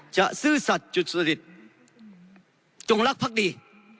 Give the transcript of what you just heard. จะซื่อสัตว์สุจริตจงรักพรรคดี